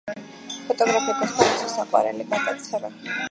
ფოტოგრაფია გახდა მისი საყვარელი გატაცება.